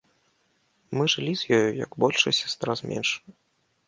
Мы жылі з ёю як большая сястра з меншаю.